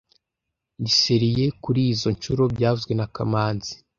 Ndi serieux kurizoi nshuro byavuzwe na kamanzi